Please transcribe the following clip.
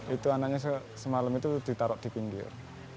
itu anaknya semalam itu ditaruh di pinggir